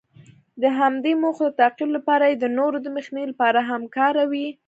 د همدې موخو د تعقیب لپاره یې د نورو د مخنیوي لپاره هم کاروي.